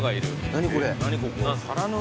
何これ？